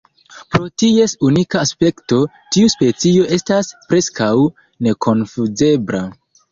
Pro ties unika aspekto, tiu specio estas preskaŭ nekonfuzebla.